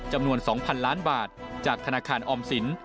จำนวน๒๐๐๐ล้านบาทจากธนาคารออมสิน